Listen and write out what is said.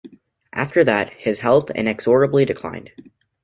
After that, his health inexorably declined.